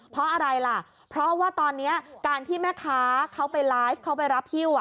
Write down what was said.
เพราะอะไรล่ะเพราะว่าตอนนี้การที่แม่ค้าเขาไปไลฟ์เขาไปรับฮิ้ว